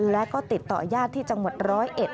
และก็ติดต่อญาติที่จังหวัดร้อยเอ็ด